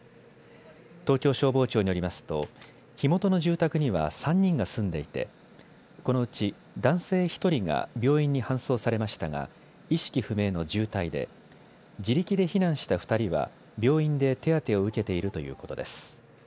東京消防庁によりますと火元の住宅には３人が住んでいてこのうち男性１人が病院に搬送されましたが意識不明の重体で自力で避難した２人は病院で手当てを受けているということです。